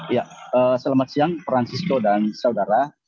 ya selamat siang francisco dan saudara